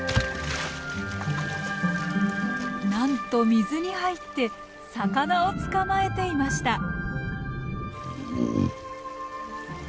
なんと水に入って魚を捕まえていました。